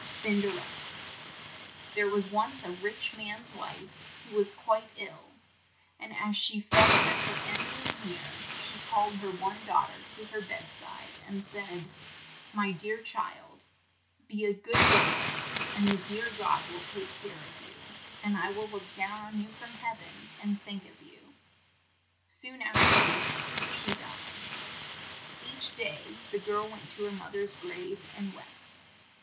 CINDERELLA THERE was once a rich man's wife who was quite ill, and as she felt that her end was near, she called her one daugh ter to her bed side, and said, "My dear child, be a good girl, and the dear God will take care of you, and I will look down on you from heav en and think of you." Soon af ter this she died. Each day the girl went to her moth er's grave and wept.